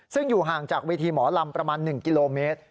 ซึ่งอยู่ห่างจากเวทีหมอลำประมาณ๑กิโลเมตร